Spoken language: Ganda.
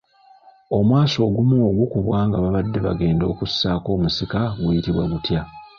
Omwasi ogumu ogukubwa nga babadde bagenda okussaako omusika guyitibwa gutya?